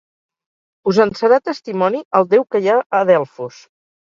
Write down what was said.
Us en serà testimoni el déu que hi ha a Delfos.